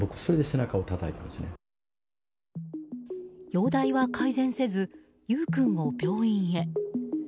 容体は改善せず優雨君を病院へ。